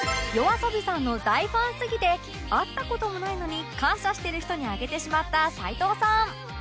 ＹＯＡＳＯＢＩ さんの大ファンすぎて会った事もないのに感謝してる人に挙げてしまった齊藤さん